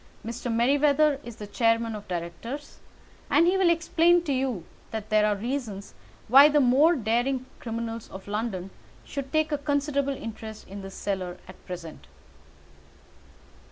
Mr. Merryweather is the chairman of directors, and he will explain to you that there are reasons why the more daring criminals of London should take a considerable interest in this cellar at present."